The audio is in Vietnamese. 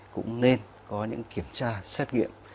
cũng nên có những kiểm tra xét nghiệm